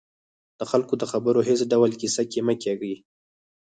د خلکو د خبرو هېڅ ډول کیسه کې مه کېږئ